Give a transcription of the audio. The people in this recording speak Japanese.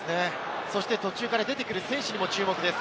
途中から出てくる選手にも注目です。